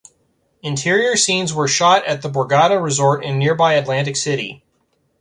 Interior scenes were shot at the Borgata resort in nearby Atlantic City.